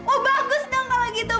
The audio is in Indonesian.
oh bagus dong kalau gitu